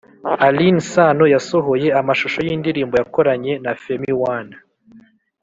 alyn sano yasohoye amashusho y’indirimbo yakoranye na femi one